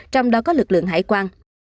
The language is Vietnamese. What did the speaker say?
trong đó có lực lượng hải quan